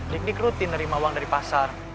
dik nik rutin nerima uang dari pasar